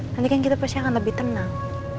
nanti kan kita pasti akan lebih tenang